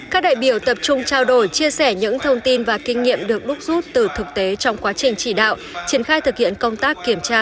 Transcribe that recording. các đại biểu tập trung trao đổi chia sẻ những thông tin và kinh nghiệm được đúc rút từ thực tế trong quá trình chỉ đạo triển khai thực hiện công tác kiểm tra